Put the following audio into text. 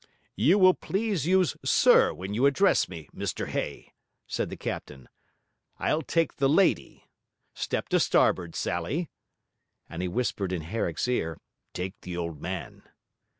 'You will please use "sir" when you address me, Mr Hay,' said the captain. 'I'll take the lady. Step to starboard, Sally.' And then he whispered in Herrick's ear: 'take the old man.'